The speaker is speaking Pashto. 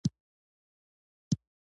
د مراجعینو د هویت ساتنه د بانک دنده ده.